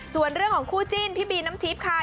ส่วนเรื่องของคู่จิ้นพี่บีน้ำทิพย์ค่ะ